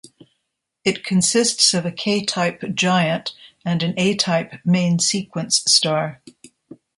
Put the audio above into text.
It consists of a K-type giant and an A-type main-sequence star.